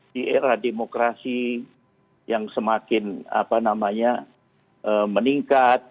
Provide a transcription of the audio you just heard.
di era demokrasi yang semakin meningkat